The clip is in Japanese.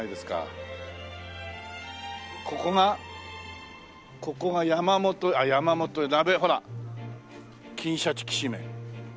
ここがここが「山本屋」あっ「山本屋」ほら「金シャチきしめん」。